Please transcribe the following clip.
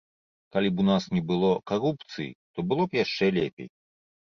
Калі б у нас не было карупцыі, то было б яшчэ лепей.